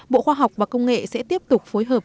bộ khoa học và công nghệ sẽ tiếp tục phối hợp